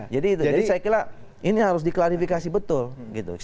jadi saya kira ini harus diklarifikasi betul gitu